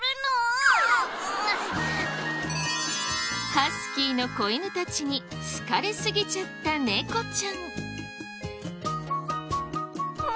ハスキーの小犬たちに好かれすぎちゃった猫ちゃん。